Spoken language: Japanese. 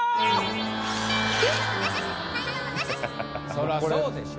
そらそうでしょ。